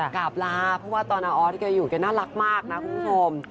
กลับลาเพราะว่าตอนออธที่กันอยู่น่ารักมากนะคุณผู้ชม